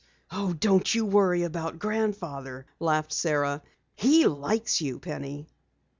"Oh, don't you worry about Grandfather," laughed Sara. "He likes you, Penny."